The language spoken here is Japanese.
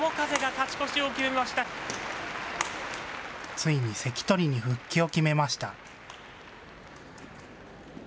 ついに関取に復帰を決めました。